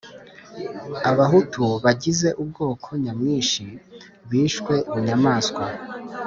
abahutu bagize ubwoko nyamwinshi bishwe bunyamaswa